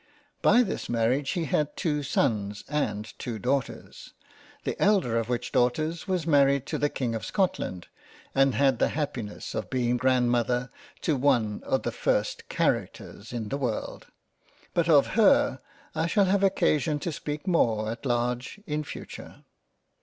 By this Marriage he had two sons and two daughters, the elder of which Daugh ters was married to the King of Scotland and had the happiness of being grandmother to one of the first Characters in the World. But of her, I shall have occasion to speak more at large in future.